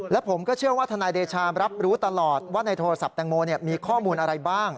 และผมก็เชื่อว่าทนายเดชารับรู้ตลอดว่าในโทรศัพท์แตงโมมีข้อมูลอะไรบ้าง